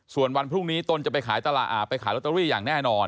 ส่วนวันพรุ่งนี้ตนจะไปขายตลาดไปขายลอตเตอรี่อย่างแน่นอน